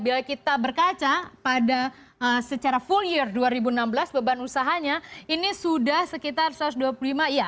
bila kita berkaca pada secara full year dua ribu enam belas beban usahanya ini sudah sekitar satu ratus dua puluh lima iya